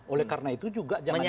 oleh karena itu juga jangan